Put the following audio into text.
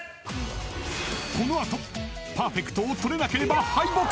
［この後パーフェクトを取れなければ敗北。